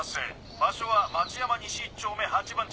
場所は町山西１丁目８番地